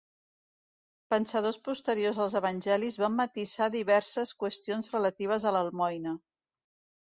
Pensadors posteriors als evangelis van matisar diverses qüestions relatives a l'almoina.